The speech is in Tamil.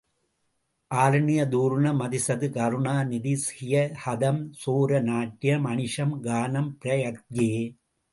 ஆனிய தூர்ண மதிசது கருணா நிதி ஹிய ஹதம் சோர நாட்டியம் அனிஷம் கானம் பிரயத்யே.